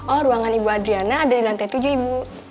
oh ruangan ibu adriana ada di lantai tujuh ibu